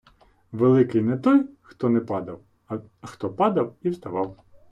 Великий не той хто не падав, а хто падав і вставав